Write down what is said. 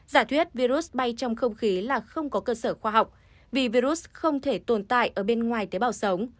giả thuyết virus bay trong không khí là không có cơ sở khoa học vì virus không thể tồn tại ở bên ngoài tế bào sống